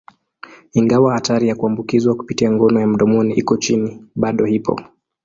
Ingawa hatari ya kuambukizwa kupitia ngono ya mdomoni iko chini, bado ipo.